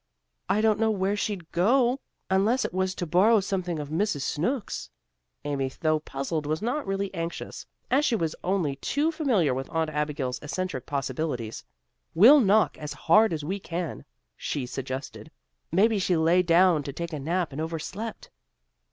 "I don't know where she'd go unless it was to borrow something of Mrs. Snooks," Amy though puzzled was not really anxious, as she was only too familiar with Aunt Abigail's eccentric possibilities. "We'll knock as hard as we can," she suggested. "Maybe she lay down to take a nap and overslept."